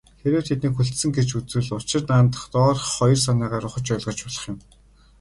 Хэрэв тэднийг хүлцсэн гэж үзвэл, учрыг наанадаж доорх хоёр санаагаар ухаж ойлгож болох юм.